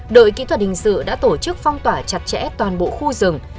đội kỹ thuật hình sự đã tổ chức phong tỏa chặt chẽ toàn bộ khu rừng